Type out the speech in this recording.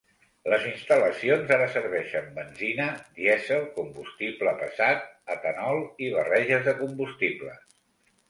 Les instal·lacions ara serveixen benzina, dièsel, combustible pesat, etanol i barreges de combustibles.